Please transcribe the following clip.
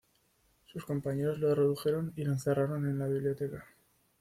Sus compañeros lo redujeron y lo encerraron en la biblioteca.